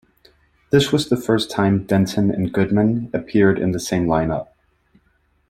This was the first time Denton and Goodman appeared in the same line-up.